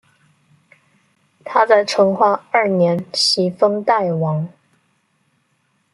他在成化二年袭封代王。